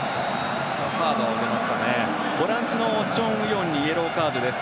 ボランチのチョン・ウヨンにイエローカードです。